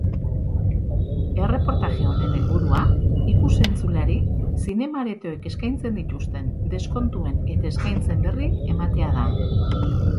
Erreportaje honen helburua ikus-entzuleari zinema-aretoek eskaintzen dituzten deskontuen eta eskaintzen berri ematea da.